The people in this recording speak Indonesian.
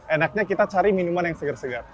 enaknya kita cari minuman yang segar segar